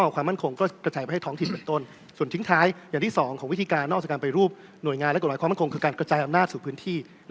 ความมั่งคงคือการกระจายอำนาจสู่พื้นที่